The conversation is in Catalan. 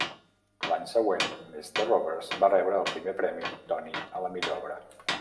L'any següent "Mister Roberts" va rebre el primer premi Tony a la millor obra.